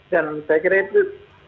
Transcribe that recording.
dan saya kira itu